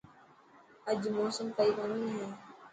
اڄ موسم سهي ڪوني هي.